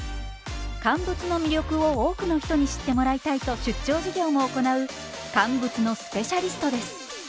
乾物の魅力を多くの人に知ってもらいたいと出張授業も行う乾物のスペシャリストです。